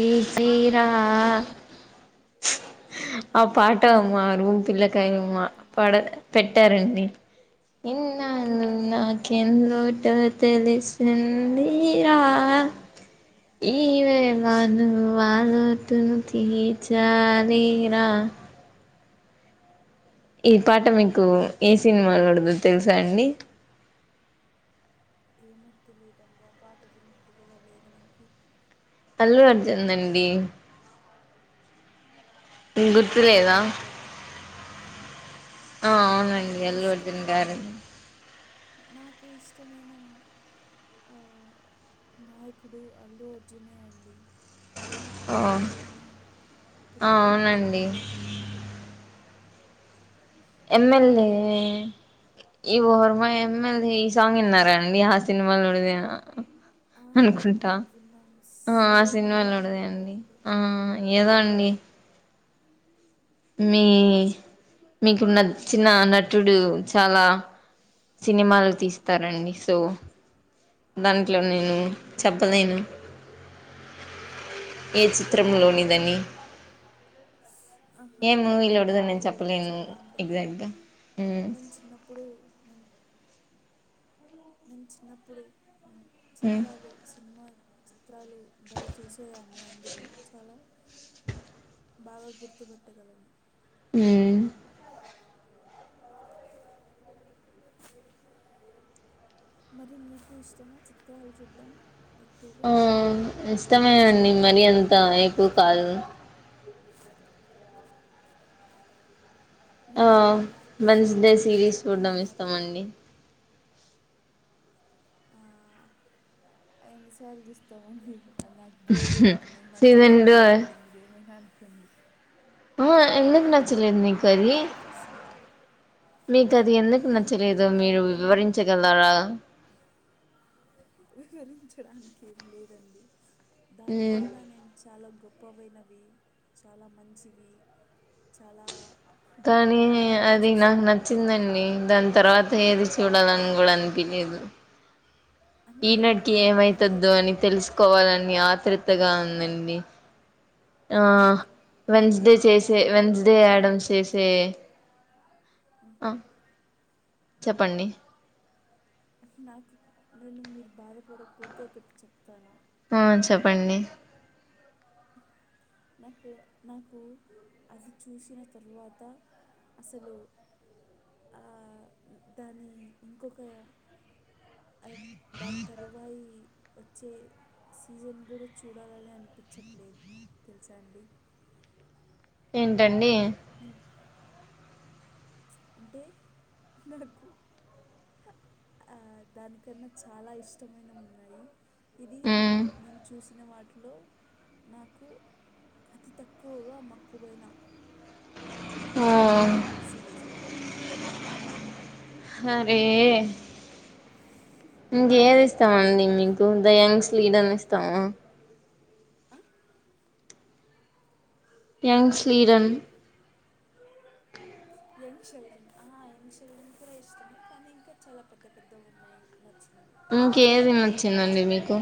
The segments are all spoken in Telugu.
ఏతీయ్రా ఆ పాట మంచిగా మా రూమ్ పాట పిల్లకాయలూ పాడుతున్నారు పాడే పెట్టారండి ఏ ఎన్నాళ్ళు పాట అండి నాకేం లోటు తెలిసిందిరా ఈవే అ నువ్ వాళుతుంటే తీర్చాలిరా ఈ పాట మీకు ఏ సినిమాలో లోనేదో తెల్స అండి ఏమో తెలిదండి ఆ పాట వినట్ కూడా లేద్నాకు అల్లు అర్జున్ ది అండి మిక్ అల్లు అర్జున్ గుర్తులేదా గారిదా ఆ అవును అండి నాకు అల్లుఅర్జున్ ఇష్టమైన గారి నాకు ఇష్టమైన ఆ నాయ్కుడు అల్లుఅర్జునే అండి ఆయన ఆ పాటనే నేను అవునండి గుర్తుపట్టలేకపొతున్నాను ఎమ్ఎల్ఏ అయ్యో యు ఆర్ మై ఎమ్మెల్యే ఈ సాంగ్ విన్నారండి ఆ సినిమా లోనిదే ఆ విన్నాం విన్నాం ఆ ఆ సినిమాలో సరైనోడు లోనిదే అనుకుంటా అండి ఆ ఏదో అండి మీ మీకు నచ్చిన నచిన్న చుడు చాలా సినిమాలు తిస్తారండి సో దాంట్లో నేను చెప్పలేేను ఏ ఏమైందో అర్థం చిత్రంలొనిదని కాలేదు ఆహా ఏం మూవీ లోదిడో అంతే నేన్ అండి చెప్పలేను చాలా ఉంటాయి ఎగ్జక్ట్గా నన్ నేన్ చిన్నప్పుడు మ్మ్ చిత్రాలు సిన్మా చిత్రాలు బలే చూసేదాన్ని అందుకు చాల బాగా గుర్తుపట్టగలను ఉ [inaudible] మరి మీకు ఇష్టమ చిత్రాలు చూడ్డం ఆ ఇష్టమేండి చిన్నప్పుడు మరీ అంత ఎక్కువ కాదు ఆ నేను మీ వెన్సడే మీరు సిరీస్ చెప్తే చూడ్డం నమ్మరు ఇష్టమండి ఆ అయన్నిసార్లు చూస్తమండి నాక్ బోర్ కొడుతుంది నాకు సీజన్ టూ నచ్చదేనచ్చదండి మీరేమైనా అనుకోండి ఆ ఎందుక్ నచ్చలేదు నీకది ఇంకొకటి వస్తుందండి మీకది ఎందుకు ఏం నచ్చలేదు మీరు దానికన్నా వివరించగలరా వివరించడానికి ఏం లేదండి మ్ దానికన్నా నేను చాలా గొప్పవైనవి చాలా మంచివి చాలా కానీ బాగున్నవి అది నాకు చూశానండి కనుక నచ్చిందండి దాని తర్వాత ఏది చూడాలని కూడా అనిపిలేదు ఈనాటికి అనిపించలేదా ఏమైతుందో నాకైతే అని తెలుసుకోవాలని ఆత్రుత్ తృతగా ఉందండి ఆ నాకు నాకు వెన్స్డే మీరు చేసే వెన్స్డే బాధపడకపోతే ఆడం నేను చేసే చెప్తాను ఆ చెప్పండి నాకు నేను మీరు బాదపడకపోతే ఒకటి చెప్తాను ఆ చెప్పండి నాకు నాకు అది చూసిన తరువాత అసలు ఆ దాన్ని ఇంకొక అది దాని తరువాయి వచ్చే సీజన్ కూడా చూడాలని అనిపించట్లేదు తెల్సా అండి ఏంటండి ఉ అంటే నాకు ఆ దానికన్నా చాలా ఇష్టమైనవున్నాయి ఇది ఆ నేను చూసి సినా వాట్లో నాకు అతి తక్కువగా మక్కుపోయిన ఆ సిరీసండి హరే ఇంకేది ఇష్టమండి మీకు ద యంగ్స్ లీడన్ ఇష్టమా యంగ్ స్లీడన్ యంగ్ చిల్డ్రన్ ఆ యంగ్ చిల్డ్రన్ కూడా ఇష్టమే కానీ ఇంకా చాలా పెద్ద పెద్ద ఉన్నాయి నచ్చిన ఇంకేది నచ్చిందండి మీకు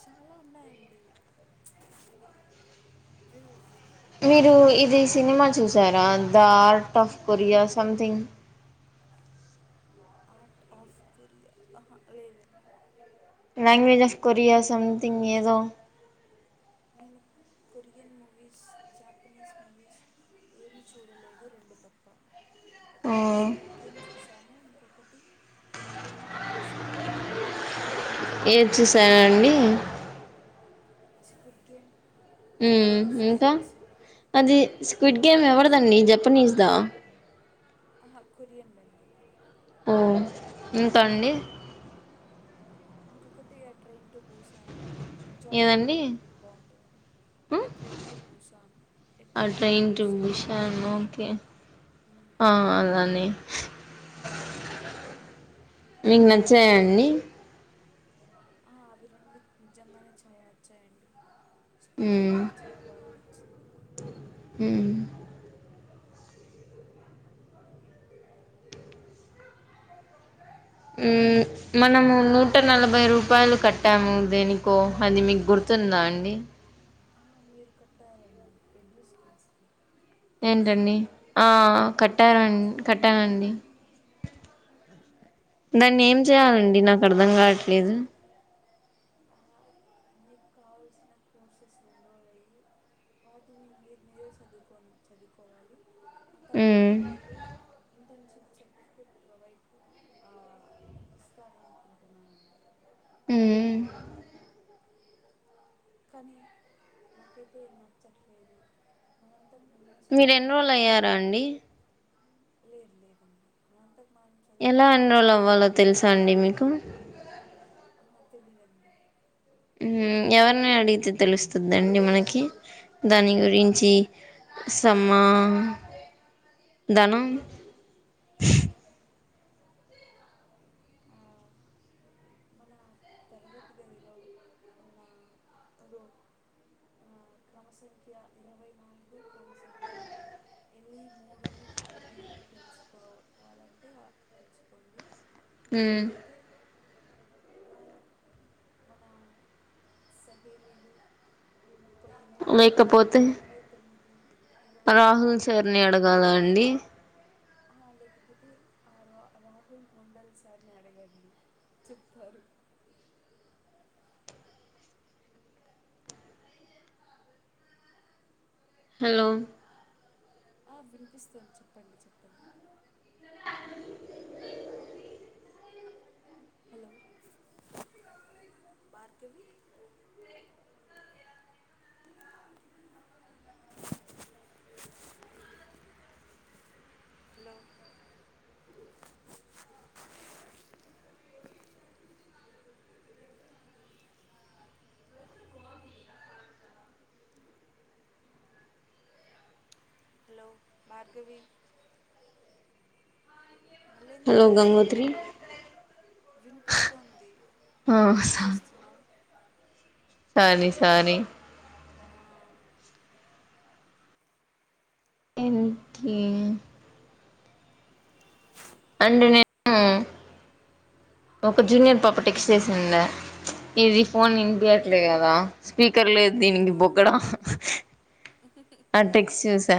చాలా ఉన్నాయండి అది మీరు మీరు ఇది సినిమా చూసారా the art of Korea something art of Korea ఆహా లేదండి లాంగ్వేజ్ ఆఫ్ కొరియా సమ్థింగ్ ఏదో నేను కొరియన్ మూవీస్ జాపనీస్ మూవీస్ ఏమి చూడలేదు రెండు తప్ప ఆ ఒకటి స్క్విడ్ గేమ్ చూసాను ఇంకొక ఒకటి ట్రైన్ టు భూసాన్ ఈ రెండు తప్ ఏది చూసారండి స్క్విడ్ గేమ్ త్రీ ఉమ్ ఇంకా సీజన్స్ అది squid train to game Busan ఎవరిదండి జపనీస్ దా ఆహా కొరియన్వే ఒ ఇంకండి ఇంకొకటి ఆ ట్రైన్ టు బూసాన్ అని జాంబీ ఏదండి మూవీ బాగుంటది ఎ ట్రైన్ టు బూసాన్ ఎ ఆ train to train Busan Busan okay ఆ అలాన్నే మీకు నచ్చాయండి ఆ అవి రెండు నిజంగానే చాలా నచ్చాయండి స్క్విడ్ గేమ్ మ్మ్ అయితే చాలా బాగా నచ్చింది మ్మ్ ఉ మనము నూట నలభై రూపాయలు కట్టాము దేనికో అది మీకు గుర్తు తుంద అండి ఆ, మీరు కట్టారండి ఎడ్రెస్కి ఏంటండి ఆ కట్టారం స్కిల్స్కి కదా కట్టానండి ఉమ్. దాన్ని ఏం చేయాలండి నాకు అర్ధం కావట్లేదు ఆ, మీకు కావాల్సిన కోర్సెస్ని ఎన్రోల్ అయ్యి వాటిని మీరు మీరే చదువుకో చదువుకోవాలి ఆ తర్వాత మ్మ్ వాళ్ళు ఇంటర్షిప్ సర్టిఫికెట్ ప్రొవైడ్ ఆ ఇస్తారనుకుంటున్నానండి ఊ మ్ కానీ నాకైతే నచ్చట్లేదు నువంతా మీరు ఎన్రోల్ అయ్యారా అండి లేదు లేదు అండి ఎలా ఎన్రోల్ అవ్వాలో తెలుసా అండి మీకు ఆ తెలిదండి ఉ ఎవరిని అడిగితే తెలుస్తుందండి మనకి దాని గురించి సమ్మా దను మనం ఆ మన తరగతి గదిలో ఉన్న రో ఆ క్రమ సంఖ్య ఇరవై నాలుగు క్రమ సంఖ్య ఎల్లి మూడును అడిగి తెలుసుకోవాలంటే వాళ్ళు తెలుసుకోండి లేకపోతే ఆ మన సగేలీలు ముప్పై ఎనిమిది లేకపోతే అరవై తొమ్మి రాహుల్ సార్ని అడగాల అండి ఆ లేకపోతే ఆ రాహుల్ ఉండల్ సార్ని అడగండి చెప్తారు హలో ఆ వినిపిస్తుంది చెప్పండి చెప్పండి hello Bhargavi hello hello Bhargavi మళ్ళీ ఎందుకు హలో గంగోత్రీ చేస్తున్నావు వినిపిస్తోంది మళ్ళీ ఎందుకు చేస్తున్నావ్ సారీ సారీ ఆ, హుమ్ అంటే నేను ఒక జూనియర్ పాప టెక్స్ చేసింద ఇది ఫోన్ ఇంపయట్లేదు కదా స్పీ కర్లేదు దీనికి ఆ, బొకడ ఆ టెక్స్ చేసా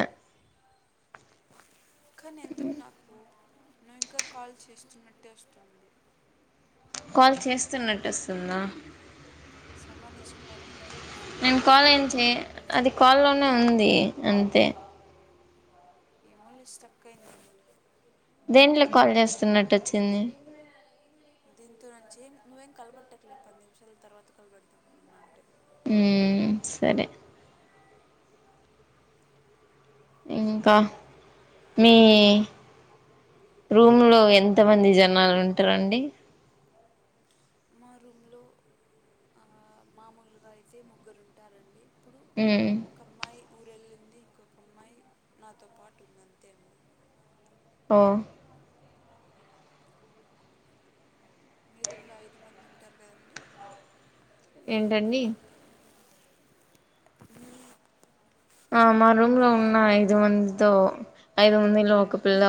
కాని ఎందుకు నాకు నువ్వు ఇంకా కాల్ చేస్తున్నట్టే వస్తుంది కాల్ చేస్తున్నట్టు వస్తుందా someone is call you నేను కాల్ ఏం చెయ్ అది రిజెక్ట్ ద కాల్ లోనే ఉంది అంతే ఏమోలే స్ట్రక్ అయింది అనుకుంట దేంట్లో కాల్ చేస్తున్నట్టు వచ్చింది దీంతో నుంచి నువ్వేం కలబట్టట్లేదు పది నిమిషాల తర్వాత కలబడతాన అంటే హ్మ్ సరే ఇంకా మీ రూమ్ లో ఎంత మంది జనాలు ఉంటారండి మా రూంలో మామూలుగా అయితే ముగ్గురు ఉంటారండి ఊ మ్ ఊరేలింది ఇంకొక అమ్మాయి నాతో పాటు ఉంది అంతే అండి ఓ మీ రూమ్ లో ఐదు మంది ఉంటారు కదండి ఏంటండి మీ ఆ మా రూమ్ లో ఉన్న కమరంలో ఐదు మందితో ఐదు ముంది లొ ఒక పిల్ల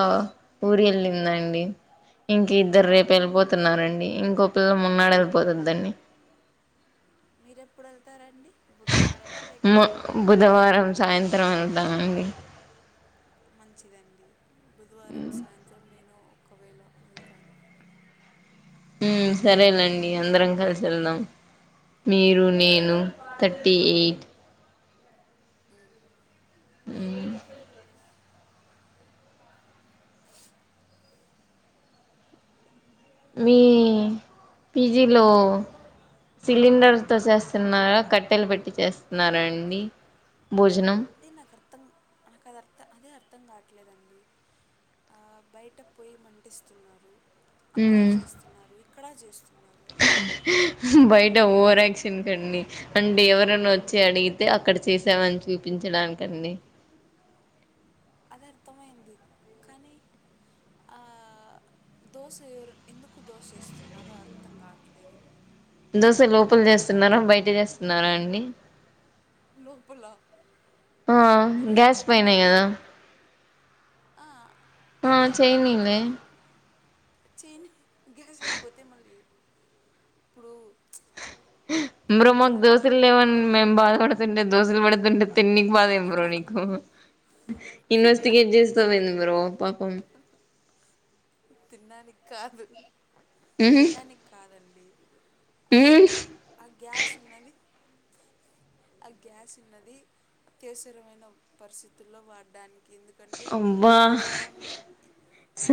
ఊరి కెళ్ళిందండి ఇంక ఇద్దరు రేపు వెళ్ళిపోతున్నారండి ఇంకో పిల్ల మోన్నాడు వెళ్ళిపోతదండి మీరేప్పుడు వెళ్తారండి బుధవారమా లేక మ బుధవారం సాయంత్రం వెళ్తామండి మంచిదండి బుధవారం సాయంత్రం నేను ఒకవేళ వెళ్తా హ్మ్ సరేనండి అందరం కలిసి వెళ్దాం మీరు నేను సరే అండి థర్టీ ఎయిట్ హ్మ్ హ్మ్ మీ పిజిలో సిలిండర్ తొ చేస్తున్నారా కట్టెలు పెట్టి చేస్తున్నారా అండి భోజనం అదే నాకు అర్థం నాకు అద అర్థం అదే అర్థం దం కావట్లేదండి బయట పోయి మంటిస్తున్నారు అక్కడ ఉమ్ చేస్తున్నారు ఇక్కడ చేస్తు బయట ఓవరక్షనకండి అండి ఎవరనా వచ్చి అడిగితే అక్కడ చేసామని చూపించడానికండి అదె అర్థమయింది కానీ ఆ, దోశ ఏయరు ఎందుకు దోశ వేస్తున్నారో అర్థం కావట్లేదు దోసే లోపల చేస్తున్నారా బయట చేస్తున్నారా అండి లోపల ఆ ఈరోజ్ గ్యాస్ పొద్దునే పైనే కదా ఆ ఆ అదె అర్థం చేయనీలే కాట్లేదు చేన్ గ్యాస్ అయిపోతే మళ్ళీ ఇప్పుడు బ్రో ఒక మాకు రెండు దోశలు లేవని మేము బాధపడుతుంటే దోశలు పెడుతుంటే తిన్నికి బాదం బ్రో నీకు ఇన్వెస్టిగేట్ తినడానికి చేస్తావ్ ఏంది బ్రో ప తిండానికి కాదు ఉహు తినడానికి కాదం అస్ ఉమ్ ఆగ్యాసు ఉన్నది ఆ గ్యాస్ ఉన్నది అత్యవసరమైన పరిస్థితుల్లో వాడడానికి ఎందుకంటే అబ్బా ఈ కాలంలో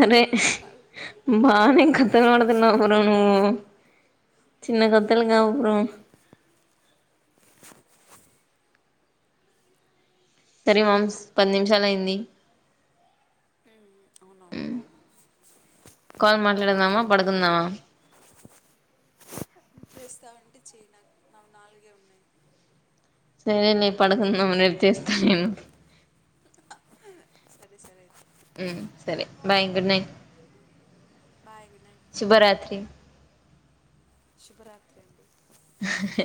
ఎక్కడ బానేే కతల్పడుతున్నావ్ బ్రో నువు చిన్న కతలు కావు బ్రో సరే మమ్స్ పది నిమిషాలు అయింది అవునవును హ్మ్ కాల్ మాట్లాడుదామా పడుకుందామా చేస్తావంటే చేయి నాకు నావి నాలుగే ఉన్నాయ్ సరేనే పడుకున్నము రేపు చేస్తా నేను సరే సరే అయితే ఉమ్ సరే అండి bye good night bye good night శుభరాత్రి శుభరాత్రి అండి ఆహ్ హ్